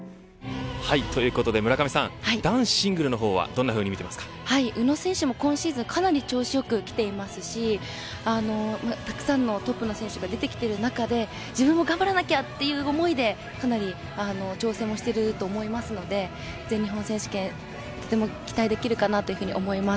ということで、村上さん男子シングルの方はどんなふうに宇野選手も今シーズン、かなり調子よく来ていますしたくさんのトップの選手が出てきている中で自分も頑張らなきゃという思いでかなり調整をしていると思いますので全日本選手権、とても期待できるかなと思います。